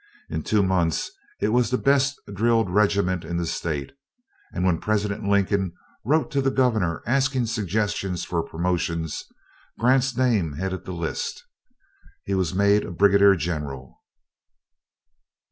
In two months it was the best drilled regiment in the State; and when President Lincoln wrote to the Governor asking suggestions for promotions, Grant's name headed the list. He was made a Brigadier General.